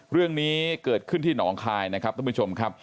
เรื่องนี้เกิดขึ้นที่หนองคายนะครับท่านผู้ชมครับ